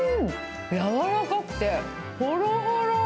やわらかくて、ほろほろ。